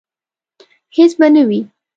هیڅ به نه وي